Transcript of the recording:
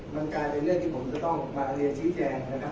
มันกลายเป็นเรื่องที่ผมจะต้องมาเรียนชี้แจงนะครับ